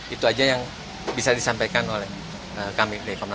itu saja yang bisa disampaikan oleh kami dari komnasam